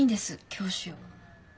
教師を。